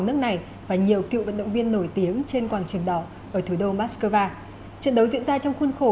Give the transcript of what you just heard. nước này và nhiều cựu vận động viên nổi tiếng trên quảng trường đỏ ở thủ đô moscow trận đấu diễn ra trong khuôn khổ